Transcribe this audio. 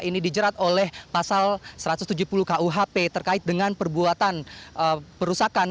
ini dijerat oleh pasal satu ratus tujuh puluh kuhp terkait dengan perbuatan perusahaan